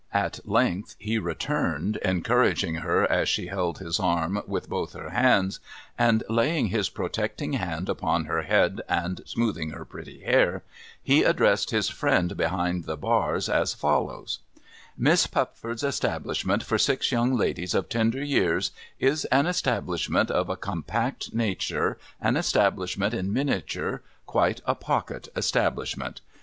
At length he returned, encouraging her as she held his arm with both her hands ; and laying his protecting hand upon her head and smooth ing her pretty hair, he addressed his friend behind the bars as follows : Miss Pupford's establishment for six young ladies of tender years, is an establishment of a compact nature, an establishment in miniature, quite a pocket establishment.